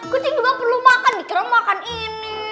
kucing juga perlu makan dikira makan ini